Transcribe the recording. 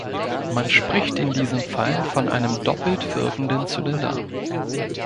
Man spricht in diesem Fall von einem doppelt wirkenden Zylinder.